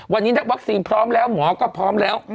วันนี้นักวัคซีนพร้อมแล้วหมอก็พร้อมแล้ว